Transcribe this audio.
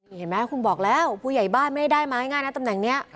เห็นไหมคุณบอกแล้วผู้ใหญ่บ้านไม่ได้ได้ไม้ง่ายนะตำแหน่งนี้